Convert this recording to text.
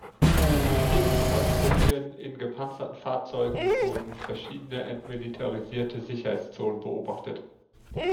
Durch tägliche Patrouillen in gepanzerten Fahrzeugen wurden verschiedene entmilitarisierte Sicherheitszonen beobachtet.